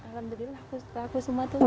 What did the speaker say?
yang paling laku semua tuh